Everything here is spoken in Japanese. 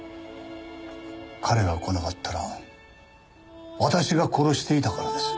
彼が来なかったら私が殺していたからです。